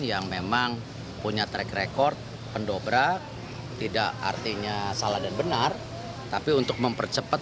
yang memang punya track record pendobrak tidak artinya salah dan benar tapi untuk mempercepat